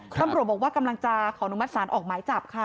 กรรมบอกว่ากำลังจากขออนุมัติศาลออกไม้จับค่ะ